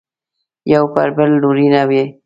یو پر بل لورینه ولري.